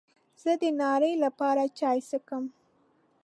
زه د ناري لپاره چای څښم.